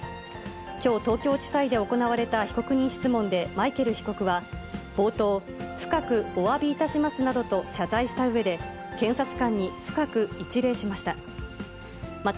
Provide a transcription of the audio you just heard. きょう東京地裁で行われた被告人質問でマイケル被告は冒頭、深くおわびいたしますなどと謝罪したうえで、検察官に深く一礼しました。